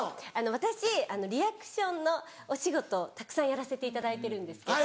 私リアクションのお仕事をたくさんやらせていただいてるんですけど。